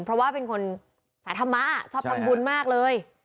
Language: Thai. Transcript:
เพราะว่าเป็นคนสายธรรมะชอบทำบุญมากเลย